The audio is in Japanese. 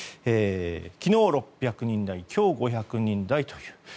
昨日６００人台今日５００人台という。